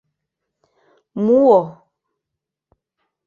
Муо...